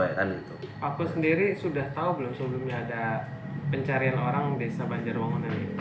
aku sendiri sudah tahu belum sebelumnya ada pencarian orang desa banjar wangun ini